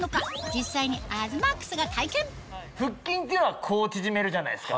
実際に腹筋っていうのはこう縮めるじゃないですか。